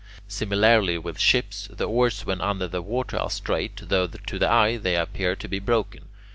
Similarly with ships, the oars when under the water are straight, though to the eye they appear to be broken.